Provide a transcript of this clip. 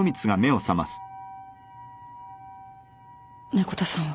猫田さんは？